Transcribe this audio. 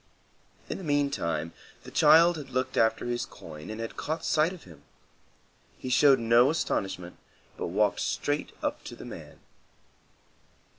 In the meantime, the child had looked after his coin and had caught sight of him. He showed no astonishment, but walked straight up to the man.